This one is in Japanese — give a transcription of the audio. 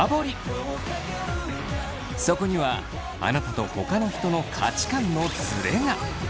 そこにはあなたとほかの人の価値観のズレが！